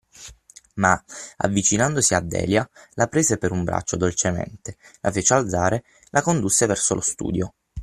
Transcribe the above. ma, avvicinatosi a Delia, la prese per un braccio dolcemente, la fece alzare, la condusse verso lo studio.